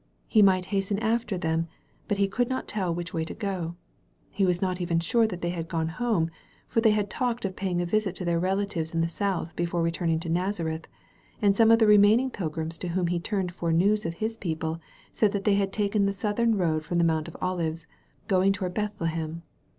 He might hasten after them, but he could not tell which way to go. He was not even sure that they had gone home; for they had talked of paying a visit to their relatives in the south before returning to Nazareth; and some of the remaining pilgrims to whom he turned for news of his people said that they had taken the southern road from the Mount of Olives, going toward Bethlehem.